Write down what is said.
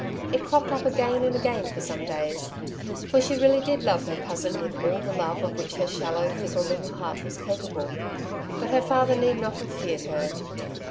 It cropped up again and again for some days, for she really did love her cousin with all the love of which her shallow, fickle little heart was capable. But her father need not have feared her.